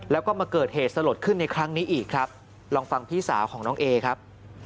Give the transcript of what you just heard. แล้วก็มาเกิดเหตุสลดขึ้นในครั้งนี้อีกครับลองฟังพี่สาวของน้องเอครับ